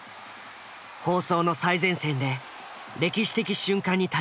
放送の最前線で歴史的瞬間に立ち合い続けた。